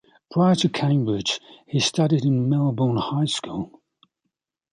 Prior to Cambridge he studied in Melbourne High School.